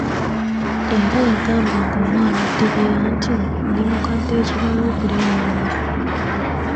Era yagambanga omwana addirira nti, ndi mukadde ekimala okulya ennyama.